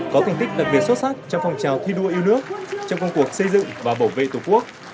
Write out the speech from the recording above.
có thành tích đặc biệt xuất sắc trong phong trào thi đua yêu nước trong công cuộc xây dựng và bảo vệ tổ quốc